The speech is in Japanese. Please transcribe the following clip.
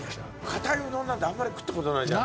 硬いうどんなんてあんまり食った事ないじゃないですか。